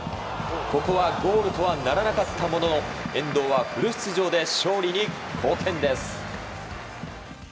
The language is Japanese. ここはゴールとはならなかったものの遠藤はフル出場で勝利に貢献です。